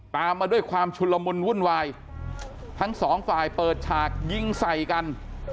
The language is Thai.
มาด้วยความชุนละมุนวุ่นวายทั้งสองฝ่ายเปิดฉากยิงใส่กัน